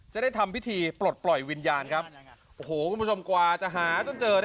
จะได้ยึดยึด